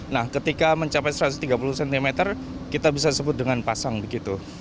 nah ketika mencapai satu ratus tiga puluh cm kita bisa sebut dengan pasang begitu